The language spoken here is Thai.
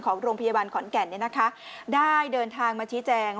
ของโรงพยาบาลขอนแก่นได้เดินทางมาชี้แจง